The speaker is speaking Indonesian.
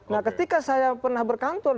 nah ketika saya pernah berkantor